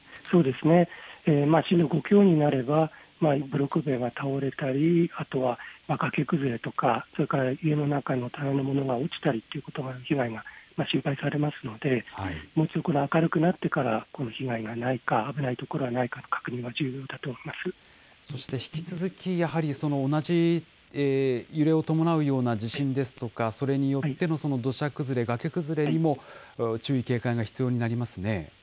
震度５強になれば、ブロック塀が倒れたり、あとは崖崩れとか、それから家の中の棚の者が落ちたりという被害が心配されますので、もうちょっと明るくなってから被害がないか、危ない所はないか、注意は必要だとそして引き続き、やはり同じ揺れを伴うような地震ですとか、それによっての土砂崩れ、崖崩れにも注意、警戒が必要になりますね。